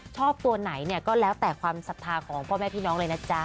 ชอบตัวไหนก็แล้วแต่ความศัษฐาของพ่อแม่ผู้น้องเลยนะ